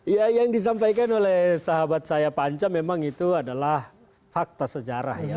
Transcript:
ya yang disampaikan oleh sahabat saya panca memang itu adalah fakta sejarah ya